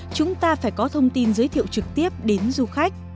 chúng ta phải có thông tin giới thiệu trực tiếp đến du khách